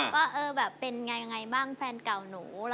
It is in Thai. ว่าเป็นอย่างไรบ้างแฟนเก่าหนู